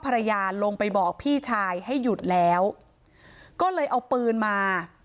ภรรยาลงไปบอกพี่ชายให้หยุดแล้วก็เลยเอาปืนมา